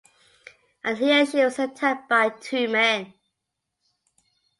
And here she was attacked by two men.